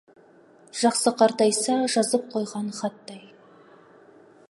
Жақсы қартайса, жазып қойған хаттай.